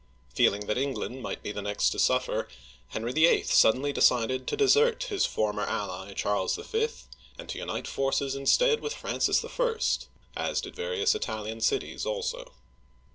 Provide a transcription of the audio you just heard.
Feeling that England might be the next to suffer, Henry VIII. suddenly decided to desert his former ally Charles V., and to unite forces instead with Francis I., as did various Italian cities also.